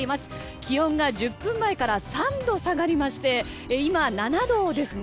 気温が１０分前から３度下がりまして今、７度ですね。